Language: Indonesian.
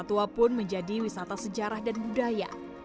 kota tua pun menjadi wisata sejarah dan budaya